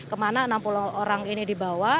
kemana enam puluh orang ini dibawa